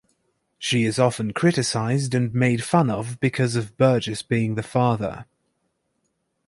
She is often criticised and made fun of because of Burgess being the father.